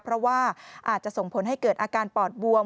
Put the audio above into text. เพราะว่าอาจจะส่งผลให้เกิดอาการปอดบวม